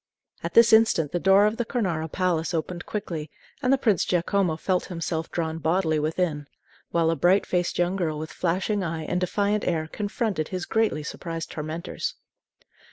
At this instant the door of the Cornaro Palace opened quickly, and the Prince Giacomo felt himself drawn bodily within; while a bright faced young girl with flashing eye and defiant air confronted his greatly surprised tormentors.